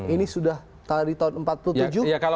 ini sudah dari tahun seribu sembilan ratus empat puluh tujuh